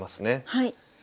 はい。